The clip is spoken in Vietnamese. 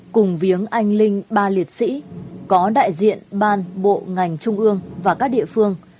cùng viếng anh linh ba liệt sĩ có đại diện ban bộ ngành trung ương và các địa phương